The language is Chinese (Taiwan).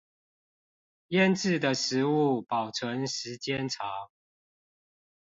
醃制的食物保存時間長